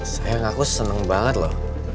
sayang aku seneng banget loh